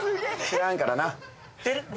知らんからなえっ？